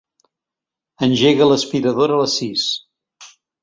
Engega l'aspiradora a les sis.